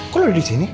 kok lo udah di sini